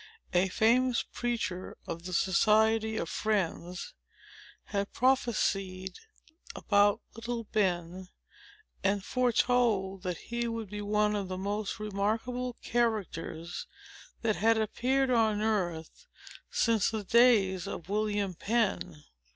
A famous preacher of the Society of Friends had prophesied about little Ben, and foretold that he would be one of the most remarkable characters that had appeared on earth since the days of William Penn.